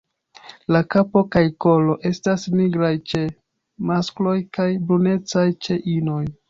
La kapo kaj kolo estas nigraj ĉe maskloj kaj brunecaj ĉe inoj.